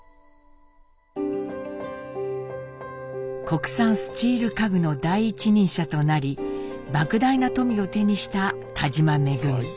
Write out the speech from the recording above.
国産スチール家具の第一人者となりばく大な富を手にした田嶋恩。